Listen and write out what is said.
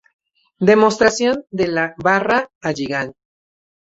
Demostración de la barra Halligan